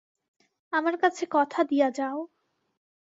আমার কাছে কথা দিয়া যাও।